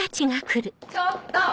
ちょっと！